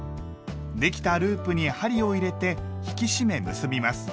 できたループに針を入れて引き締め結びます。